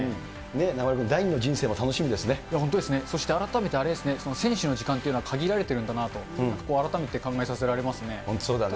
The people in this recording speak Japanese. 中丸君、第二の人生も楽しみ本当ですね、改めてあれですね、選手の時間っていうのは限られてるんだなと、ここは改めて考本当そうだね。